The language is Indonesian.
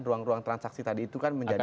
ruang ruang transaksi tadi itu kan menjadi